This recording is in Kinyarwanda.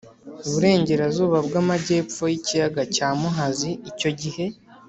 Burengerazuba bw amagepfo y ikiyaga cya muhazi icyo gihe